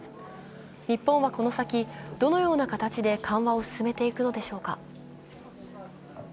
日本はこの先どのような形で緩和を進めていくのでしょうか？